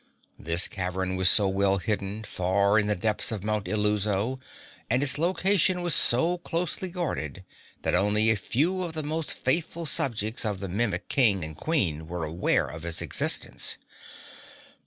This cavern was so well hidden, far in the depths of Mount Illuso, and its location was so closely guarded, that only a few of the most faithful subjects of the Mimic King and Queen were aware of its existence.